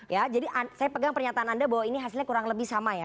ya jadi saya pegang pernyataan anda bahwa ini hasilnya kurang lebih sama ya